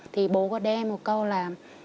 thì bố có đem một câu là